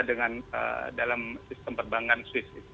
dalam sistem perbankan swiss